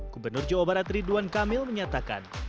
gubernur jawa barat ridwan kamil menyatakan